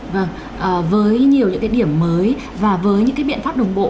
vâng với nhiều những cái điểm mới và với những cái biện pháp đồng bộ